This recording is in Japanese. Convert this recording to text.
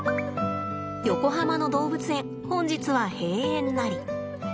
横浜の動物園本日は閉園なり。